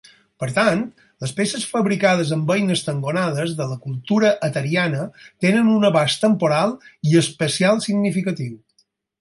Per tant, les peces fabricades amb eines tangonades de la cultura ateriana tenen un abast temporal i espacial significatiu.